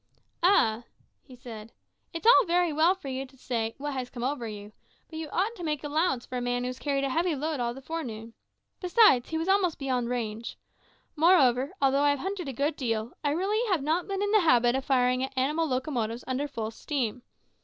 "Ah!" said he, "it's all very well for you to say, `What has come over you?' but you ought to make allowance for a man who has carried a heavy load all the forenoon. Besides, he was almost beyond range. Moreover, although I have hunted a good deal, I really have not been in the habit of firing at animal locomotives under full steam.